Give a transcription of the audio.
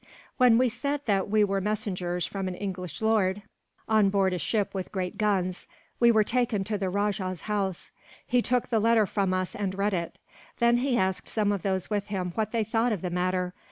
"When we said that we were messengers from an English lord, on board a ship with great guns, we were taken to the rajah's house. He took the letter from us, and read it. Then he asked some of those with him what they thought of the matter.